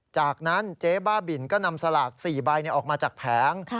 จากนั้นเจ๊บ้าบินก็นำสลาก๔ใบออกมาจากแผง